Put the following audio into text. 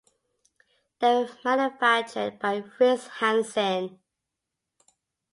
They were manufactured by Fritz Hansen.